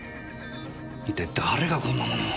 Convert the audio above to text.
一体誰がこんなものを。